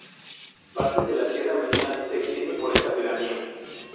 Parte de Sierra Minera se extiende por esta pedanía.